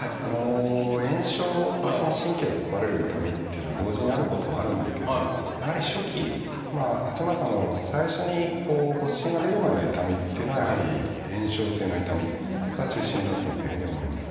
炎症と神経が壊れる痛みっていうのは同時にあることもあるんですけどもやはり初期八幡さんの最初に発疹が出る前の痛みっていうのはやはり炎症性の痛みが中心だったというふうに思います。